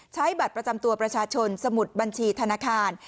ใช้บัตรประจำตัวประชาชนสมุดบัญชีธนาคาร